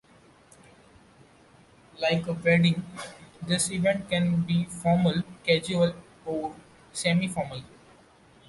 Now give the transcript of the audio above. Like a wedding, this event can be formal, casual, or semi-formal.